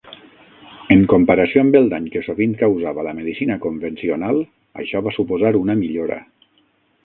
En comparació amb el dany que sovint causava la medicina convencional, això va suposar una millora.